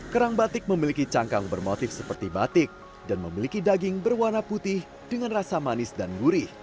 kerang batik memiliki cangkang bermotif seperti batik dan memiliki daging berwarna putih dengan rasa manis dan gurih